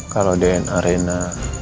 kalau dn arena